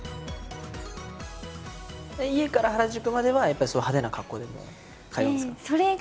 家から原宿まではやっぱりそういう派手な格好で通うんですか？